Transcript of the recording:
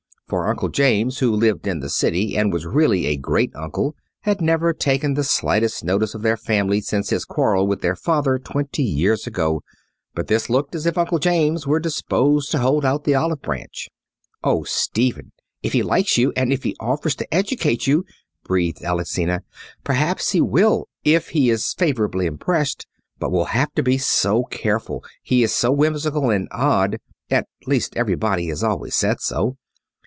For Uncle James, who lived in the city and was really a great uncle, had never taken the slightest notice of their family since his quarrel with their father twenty years ago; but this looked as if Uncle James were disposed to hold out the olive branch. "Oh, Stephen, if he likes you, and if he offers to educate you!" breathed Alexina. "Perhaps he will if he is favourably impressed. But we'll have to be so careful, he is so whimsical and odd, at least everybody has always said so.